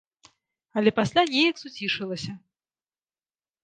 Але пасля неяк суцішылася.